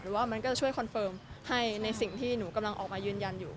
ว่ามันก็จะช่วยคอนเฟิร์มให้ในสิ่งที่หนูกำลังออกมายืนยันอยู่